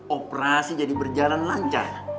operasi jadi berjalan lancar